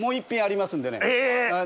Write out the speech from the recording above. え！